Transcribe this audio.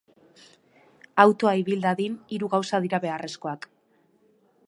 Autoa ibil dadin, hiru gauza dira beharrezkoak.